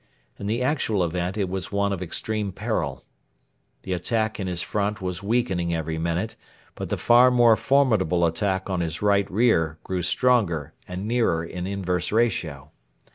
In the actual event it was one of extreme peril. The attack in his front was weakening every minute, but the far more formidable attack on his right rear grew stronger and nearer in inverse ratio.